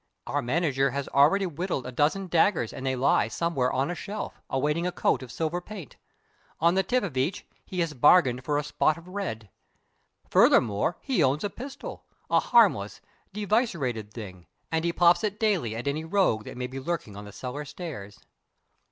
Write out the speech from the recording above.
The manager has already whittled a dozen daggers and they lie somewhere on a shelf, awaiting a coat of silver paint. On the tip of each he has bargained for a spot of red. Furthermore, he owns a pistol a harmless, devicerated thing and he pops it daily at any rogue that may be lurking on the cellar stairs.